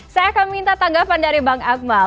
saya akan minta tanggapan dari bang akmal